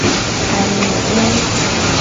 Ami je.